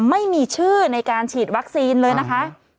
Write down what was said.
ไม่มีชื่อในการฉีดวัคซีนเลยนะคะ